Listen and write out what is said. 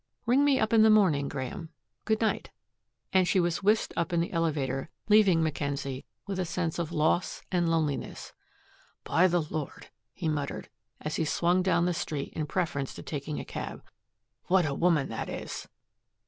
Ring me up in the morning, Graeme. Good night," and she was whisked up in the elevator, leaving Mackenzie with a sense of loss and loneliness. "By the Lord," he muttered, as he swung down the street in preference to taking a cab, "what a woman that is!"